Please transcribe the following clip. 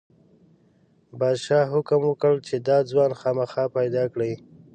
پادشاه حکم وکړ چې دا ځوان خامخا پیدا کړئ.